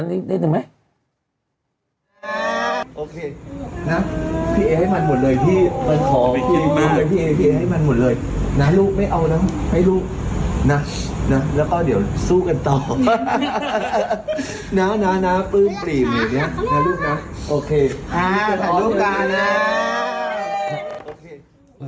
อ่าขอลูกก่อนนะโอเค